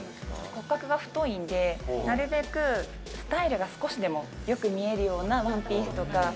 骨格が太いんで、なるべくスタイルが少しでも良く見えるようなワンピースとか。